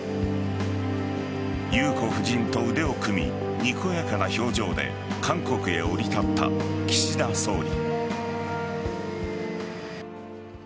裕子夫人と腕を組みにこやかな表情で韓国へ降り立った岸田総理。